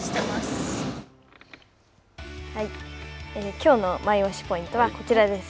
きょうのマイオシポイントはこちらです。